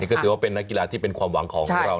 ก็ถือว่าเป็นนักกีฬาที่เป็นความหวังของเรา